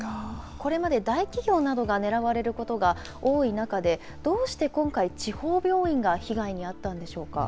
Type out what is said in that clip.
これまで大企業などが狙われることが多い中で、どうして今回、地方病院が被害に遭ったんでしょうか。